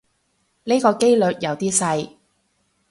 呢個機率有啲細